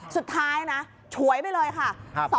สุดท้ายนะฉวยไปเลยค่ะ